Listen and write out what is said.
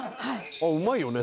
うまいよね